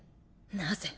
なぜ？